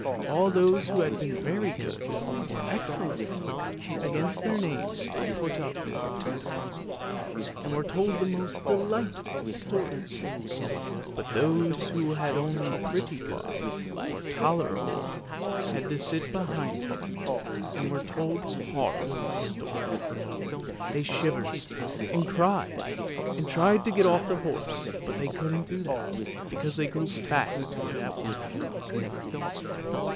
All those who had " very good " or " excellent " against their names were put up in front of him, and were told the most delightful stories; but those who had only "pretty good" or " tolerable," had to sit behind him, and were told horrible stories. They shivered, and cried, and tried to get off the horse, but they couldn't do that, because they grew fast to it at once.